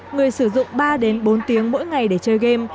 người sử dụng ba đến bốn tiếng mỗi ngày để chơi game